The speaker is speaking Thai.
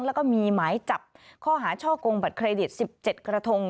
แล้วก็มีหมายจับข้อหาช่อกงบัตรเครดิต๑๗กระทง